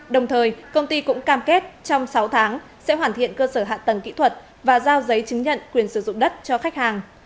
đồng thời công ty cũng cam kết trong sáu tháng sẽ hoàn thiện cơ sở hạ tầng kỹ thuật và giao giấy chứng nhận quyền sử dụng đất cho khách hàng